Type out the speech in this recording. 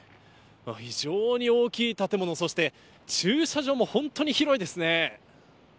非常に大きい建物、そして駐車場も本当に広いですね。